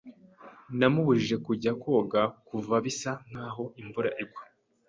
Namubujije kujya koga kuva bisa nkaho imvura igwa.